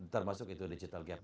termasuk itu digital gap